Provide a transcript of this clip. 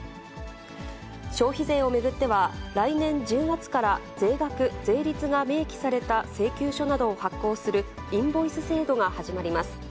消費税を巡っては、来年１０月から税額、税率が明記された請求書などを発行する、インボイス制度が始まります。